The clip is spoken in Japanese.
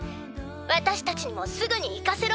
「私たちにもすぐに行かせろ！」